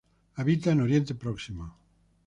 Habita en Oriente Próximo.